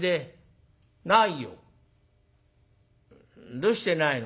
「どうしてないの？」。